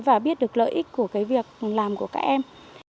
và biết được lợi ích của cái việc làm của các em